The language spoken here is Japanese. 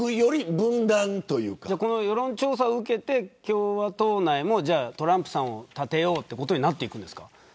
この世論調査を受けて共和党内もトランプさんを立てようということになるんですか。